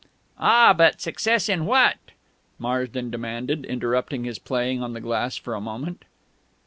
"Ah, but success in what?" Marsden demanded, interrupting his playing on the glass for a moment.